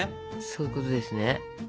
そういうことですね。